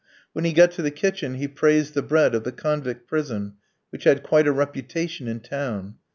When he got to the kitchen he praised the bread of the convict prison, which had quite a reputation in town.